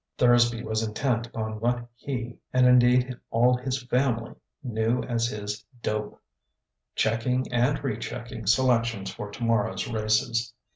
Thursby was intent upon what he, and indeed all his family, knew as his "dope": checking and re checking selections for tomorrow's races.